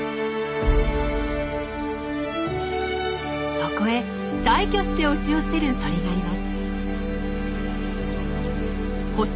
そこへ大挙して押し寄せる鳥がいます。